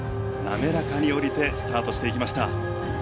滑らかに降りてスタートしていきました。